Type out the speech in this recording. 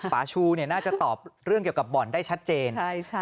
ปาชูน่าจะตอบเรื่องเกี่ยวกับบ่อนได้ชัดเจน